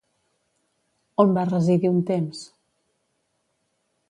On va residir un temps?